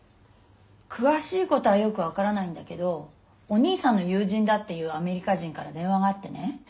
詳しいことはよく分からないんだけどお兄さんの友人だっていうアメリカ人から電話があってね